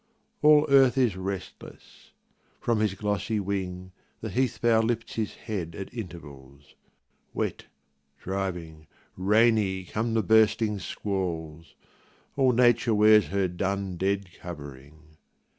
All earth is restlessñfrom his glossy wing The heath fowl lifts his head at intervals; Wet, driving, rainy, come the bursting squalls; All nature wears her dun dead covering.